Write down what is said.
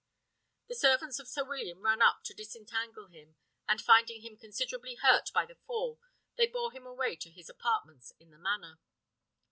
The servants of Sir William ran up to disentangle him; and finding him considerably hurt by the fall, they bore him away to his apartments in the manor.